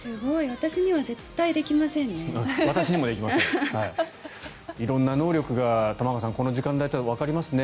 私には絶対できませんね。